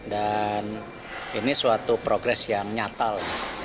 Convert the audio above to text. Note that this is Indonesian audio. dan ini suatu progres yang nyatal